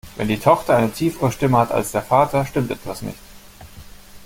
Wenn die Tochter eine tiefere Stimme hat als der Vater, stimmt etwas nicht.